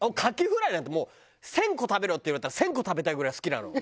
牡蠣フライなんてもう「１０００個食べろ」って言われたら１０００個食べたいぐらい好きなの。